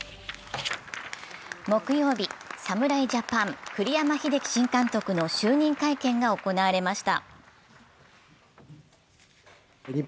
木曜日、侍ジャパン、栗山英樹新監督の就任会見が行われました。